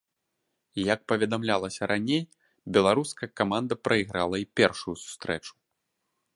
Як паведамлялася раней, беларуская каманда прайграла і першую сустрэчу.